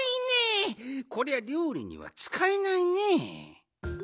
こりゃりょうりにはつかえないね。